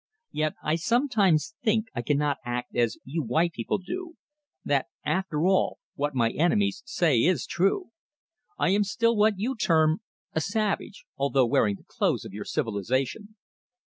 Yet I sometimes think I cannot act as you white people do, that, after all, what my enemies say is true. I am still what you term a savage, although wearing the clothes of your civilization."